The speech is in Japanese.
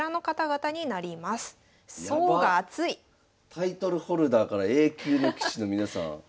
タイトルホルダーからＡ級の棋士の皆さん。